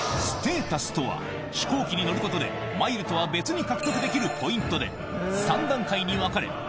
ステータスとは飛行機に乗ることでマイルとは別に獲得できるポイントで３段階に分かれ